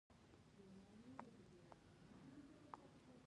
آیا د ایران تاریخ زرین نه دی؟